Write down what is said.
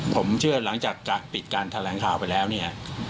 ผมเชื่อหลังจากปิดการแถลงข่าวไปแล้วเนี่ย